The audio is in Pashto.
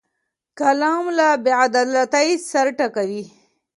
قلم له بیعدالتۍ سر ټکوي